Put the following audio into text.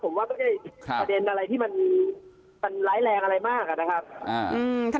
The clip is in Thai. ผมว่าประเด็นอะไรที่มันร้ายแรงอะไรมากอะนะครับ